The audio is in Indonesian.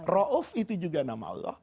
ra'uf itu juga nama allah